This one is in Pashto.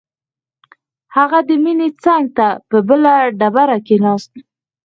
هغه د مينې څنګ ته په بله ډبره کښېناست.